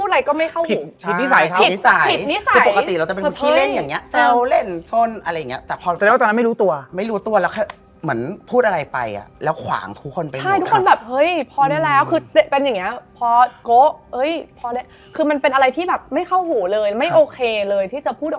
หินอ่อนสวยงามอาบน้ำสบายใจอาบอยู่